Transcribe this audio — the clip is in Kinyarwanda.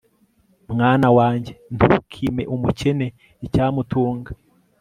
mwana wanjye, ntukime umukene icyamutunga